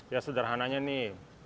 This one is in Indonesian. ya sederhananya nih